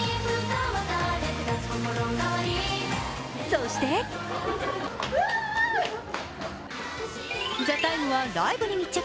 そして「ＴＨＥＴＩＭＥ，」はライブに密着。